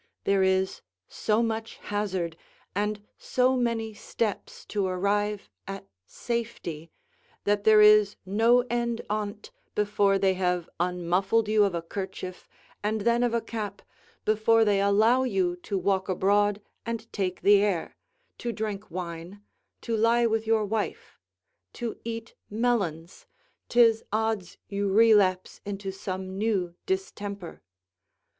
There is so much hazard, and so many steps to arrive at safety, that there is no end on't before they have unmuffled you of a kerchief, and then of a cap, before they allow you to walk abroad and take the air, to drink wine, to lie with your wife, to eat melons, 'tis odds you relapse into some new distemper.